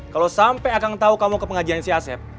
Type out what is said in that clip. kalau sampai akang tau kamu ke pengajian si asep